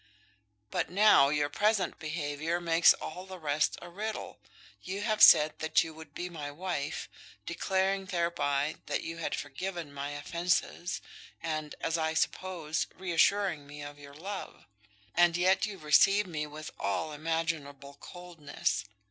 "But now your present behaviour makes all the rest a riddle. You have said that you would be my wife, declaring thereby that you had forgiven my offences, and, as I suppose, reassuring me of your love; and yet you receive me with all imaginable coldness.